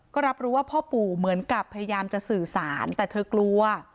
ก็รับรู้ว่าพ่อปู่เหมือนกับพยายามจะสื่อสารแต่เธอกลัว